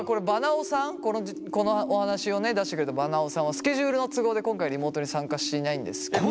このお話を出してくれたばなおさんはスケジュールの都合で今回リモートに参加していないんですけど。